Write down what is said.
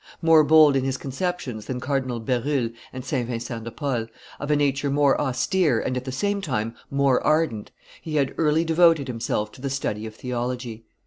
More bold in his conceptions than Cardinal Berulle and St. Vincent de Paul, of a nature more austere and at the same time more ardent, he had early devoted himself to the study of theology.